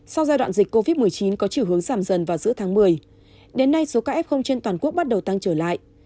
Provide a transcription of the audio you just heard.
sau giai đoạn dịch covid một mươi chín có chiều hướng giảm dần vào giữa tháng một mươi đến nay số ca f trên toàn quốc bắt đầu tăng trở lại